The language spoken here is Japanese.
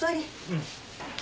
うん。